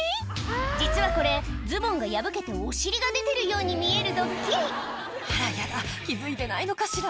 実はこれズボンが破けてお尻が出てるように見えるドッキリあらヤダ気付いてないのかしら？